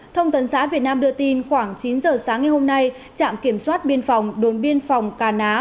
thông tấn xã việt nam đưa tin khoảng chín giờ sáng ngày hôm nay trạm kiểm soát biên phòng đồn biên phòng cà ná